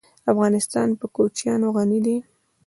افغانستان په کوچیان غني دی.